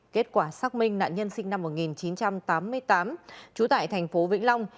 kết quả xác minh nạn nhân sinh năm một nghìn chín trăm tám mươi tám trú tại thành phố vĩnh long